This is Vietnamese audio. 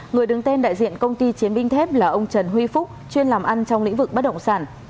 người đứng tên đại diện công ty chiến binh thép là ông trần huy phúc chuyên làm ăn trong lĩnh vực bất động sản